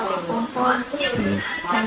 terus kama kue kering kue kering